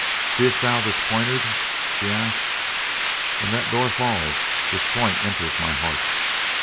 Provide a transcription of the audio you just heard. "Seest thou this poniard?" she asked. "When that door falls, this point enters my heart.